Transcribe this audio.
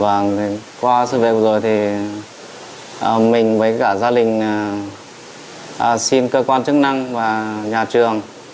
và qua sự việc rồi thì mình với cả gia đình xin cơ quan chức năng và nhà trường